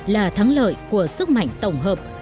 là thắng lợi của sức mạnh tổng hợp